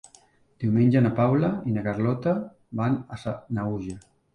Diumenge na Paula i na Carlota van a Sanaüja.